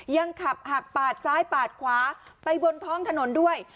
ยังขับหักปาดซ้ายปาดขวาไปบนท้องถนนด้วย